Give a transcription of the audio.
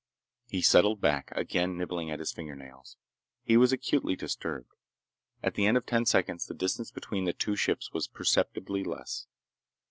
He settled back, again nibbling at his fingernails. He was acutely disturbed. At the end of ten seconds the distance between the two ships was perceptibly less.